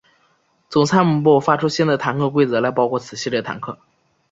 总参谋部发出新的坦克规格来包括此系列坦克。